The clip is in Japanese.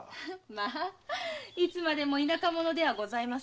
まあいつまでも田舎者ではございませんわ。